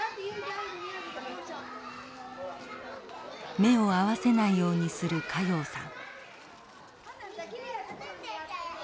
目を合わせないようにする加用さん。